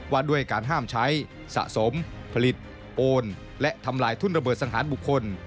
ว่าด้วยการห้ามใช้สะสมผลิตโอนและทำลายทุ่นระเบิดสังหารบุคคล